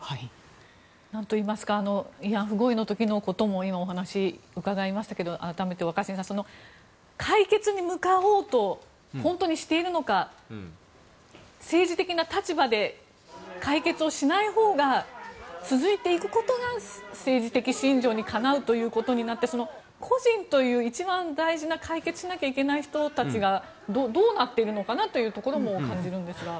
なんといいますか慰安婦合意の時のことも今、お話を伺いましたが改めて若新さん解決に向かおうと本当にしているのか政治的な立場で解決をしないほうが続いていくことが政治的信条にかなうということになって個人という一番大事な解決しないといけない人たちがどうなっているのかなというところも感じるんですが。